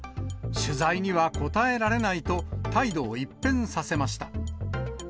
取材には答えられないと態度を一変させました。